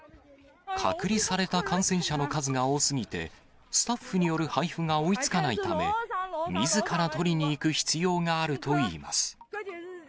隔離された感染者の数が多すぎて、スタッフによる配布が追いつかないため、みずから取りに行く必要があるといいます。